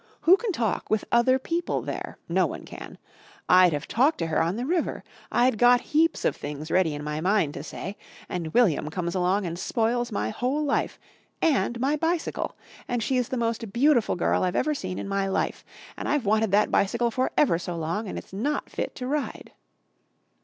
Who can talk with other people there? No one can. I'd have talked to her on the river. I'd got heaps of things ready in my mind to say. And William comes along and spoils my whole life and my bicycle. And she's the most beautiful girl I've ever seen in my life. And I've wanted that bicycle for ever so long and it's not fit to ride."